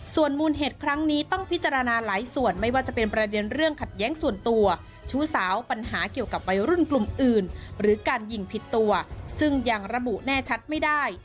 ส่วนมูลเหตุครั้งนี้ต้องพิจารณาหลายส่วนไม่ว่าจะเป็นประเด็นเรื่องขัดแย้งส่วนตัวชู้สาวปัญหาเกี่ยวกับวัยรุ่นกลุ่มอื่นหรือการยิงผิดตัวซึ่งยังระบุแน่ชัดไม่ได้